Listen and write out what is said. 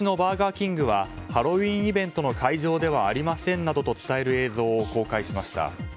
キングはハロウィーンイベントの会場ではありませんなどと伝える映像を公開しました。